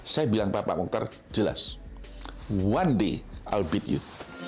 saya bilang pak mohtar jelas one day i'll beat you